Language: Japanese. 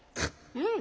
うん！